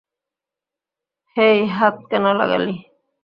হেই, হাত কেন লাগালি?